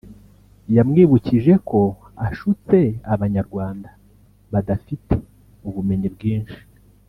yamwibukije ko ashutse Abanyarwanda badafite ubumenyi bwinshi